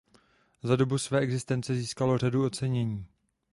Za dobu své existence získalo řadu ocenění.